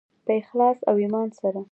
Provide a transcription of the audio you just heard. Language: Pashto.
په اخلاص او ایمان سره.